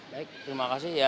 baik terima kasih